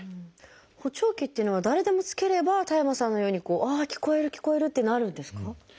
補聴器っていうのは誰でも着ければ田山さんのように「ああ聞こえる聞こえる！」ってなるんですか？